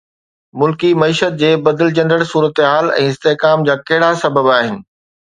ملڪي معيشت جي بدلجندڙ صورتحال ۽ استحڪام جا ڪهڙا سبب آهن؟